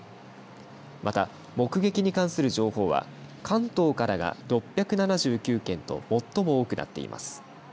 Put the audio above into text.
また、目撃に関する情報は関東からが６７９件と最も多くなっています。